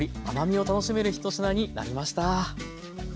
甘みを楽しめる一品になりました。